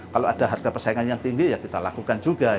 kalau ada harga persaingan yang tinggi ya kita lakukan juga